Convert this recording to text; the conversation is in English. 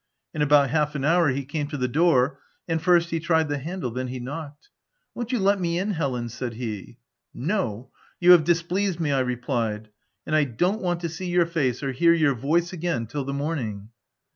In about half an hour, he came to the door ; and first he tried the handle, then he knocked. " Won't you let me in, Helen V* said he. " No ; you have displeased me/' I replied, " and I don't want to see your face or hear your voice again till the morning."